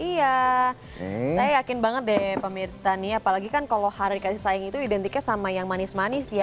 iya saya yakin banget deh pemirsa nih apalagi kan kalau hari dikasih sayang itu identiknya sama yang manis manis ya